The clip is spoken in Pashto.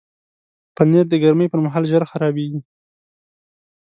پنېر د ګرمۍ پر مهال ژر خرابیږي.